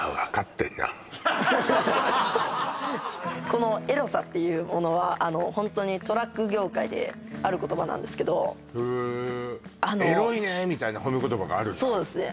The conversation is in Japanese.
このエロさっていうものはホントにトラック業界である言葉なんですけどへえエロいねみたいな褒め言葉があるんだそうですね